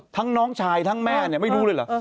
น้องชายทั้งแม่เนี่ยไม่รู้เลยเหรอ